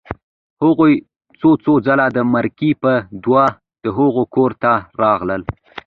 هغوی څو څو ځله د مرکې په دود د هغوی کور ته راغلل